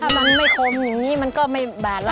ถ้ามันไม่คมอย่างนี้มันก็ไม่บาดแล้ว